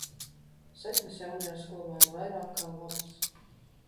Sekmes jaunajā skolā ir vairāk kā labas.